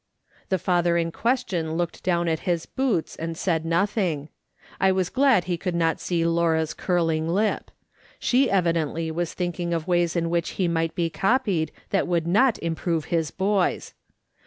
The father in question looked down at his boots and said nothing. I was glad he could not see 56 MA'S. SOLOMON SMITH LOOKING ON. Laura's curling lip. She evidently was thinking of ways in which he might be copied that would not improve his boys.